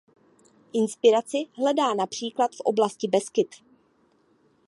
Inspiraci hledá například v oblasti Beskyd.